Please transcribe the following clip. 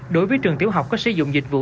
đối với trường tiểu học có sử dụng dịch vụ